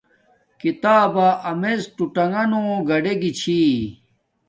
کتابا امیڎ ٹوٹانݣ گاڈے گی چھی